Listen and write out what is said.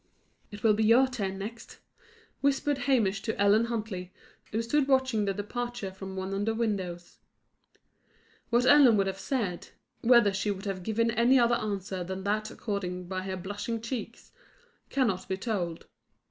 "It will be your turn next," whispered Hamish to Ellen Huntley, who stood watching the departure from one of the windows. What Ellen would have said whether she would have given any other answer than that accorded by her blushing cheeks, cannot be told.